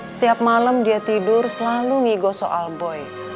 setiap malam dia tidur selalu ngigo soal boy